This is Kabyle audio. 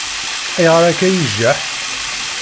Ayɣer akka i ijaḥ?